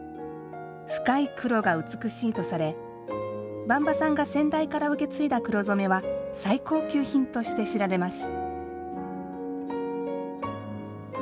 深い黒が美しいとされ馬場さんが先代から受け継いだ黒染めは最高級品として知られます。